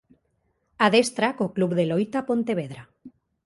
Adestra co Club de Loita Pontevedra.